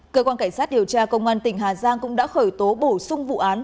cơ quan cảnh sát điều tra công an tỉnh hà giang cũng đã khởi tố bổ sung vụ án